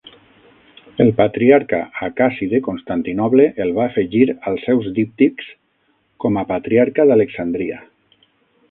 El patriarca Acaci de Constantinoble el va afegir als seus díptics com a Patriarca d'Alexandria.